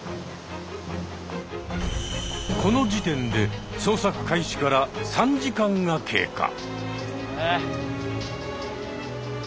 この時点で捜索開始から３時間が経過。